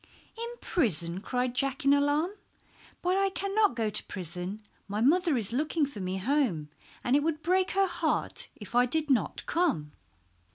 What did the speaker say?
"In prison," cried Jack in alarm. "But I cannot go to prison. My mother is looking for me home, and it would break her heart if I did not come."